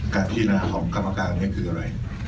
การพิจารณาของกรรมการนี้คืออะไร